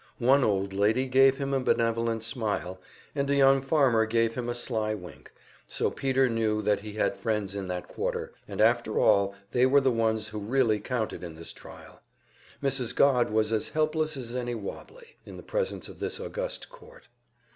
One old lady gave him a benevolent smile, and a young farmer gave him a sly wink, so Peter knew that he had friends in that quarter and after all, they were the ones who really counted in this trial. Mrs. Godd was as helpless as any "wobbly," in the presence of this august court.